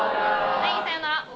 はいさようなら。